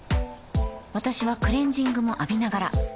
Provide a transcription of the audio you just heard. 私はクレジングも浴びながら